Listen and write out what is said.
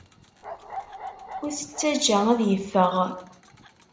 Ur t-ttajja ad yeffeɣ.